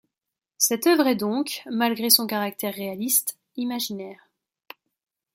Cette œuvre est donc, malgré son caractère réaliste, imaginaire.